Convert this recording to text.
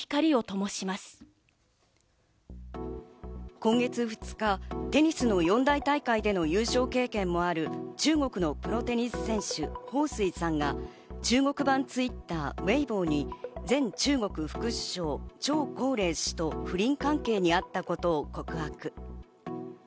今月２日、テニスの四大大会での優勝経験もある中国のプロテニス選手ホウ・スイさんが中国版Ｔｗｉｔｔｅｒ、Ｗｅｉｂｏに前中国副首相チョウ・コウレイ氏と不倫関係にあったことを告白。